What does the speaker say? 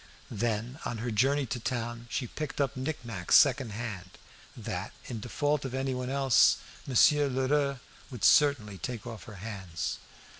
Then on her journey to town she picked up nick nacks secondhand, that, in default of anyone else, Monsieur Lheureux would certainly take off her hands.